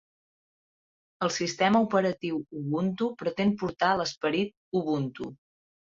El sistema operatiu Ubuntu pretén portar l'esperit Ubuntu